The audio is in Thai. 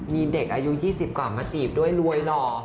มีเด็กอายุ๒๐กว่ามาจีบด้วยรวยหล่อ